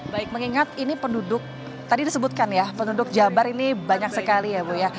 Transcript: baik mengingat ini penduduk tadi disebutkan ya penduduk jabar ini banyak sekali ya bu ya